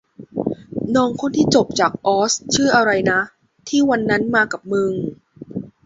น้องคนที่จบจากออสชื่ออะไรนะ ที่วันนั้นมากับมึง